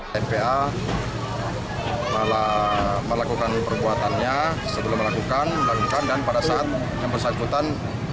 pembaik mpl melakukan perbuatannya sebelum melakukan dan pada saat yang bersahabatan